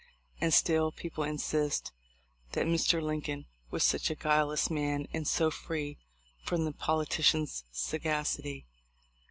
And still people insist that Mr. Lincoln was such a guileless man and so free from the politician's sagacity